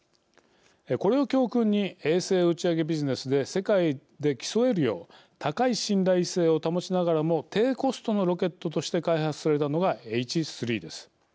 これを教訓に衛星打ち上げビジネスで世界で競えるよう高い信頼性を保ちながらも低コストのロケットとして開発されたのがＨ３です。